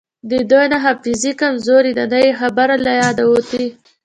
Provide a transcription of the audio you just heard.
د دوی نه حافظې کمزورې دي نه یی خبره له یاده وتې